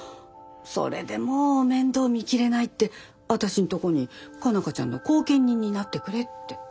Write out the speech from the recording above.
それでもう面倒見切れないって私んとこに佳奈花ちゃんの後見人になってくれって。